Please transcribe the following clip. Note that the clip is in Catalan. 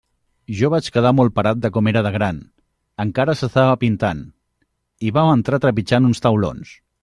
Jo vaig quedar molt parat de com era de gran; encara s'estava pintant, i vam entrar trepitjant uns taulons.